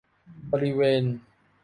บริเวณ